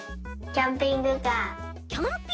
キャンピングカー？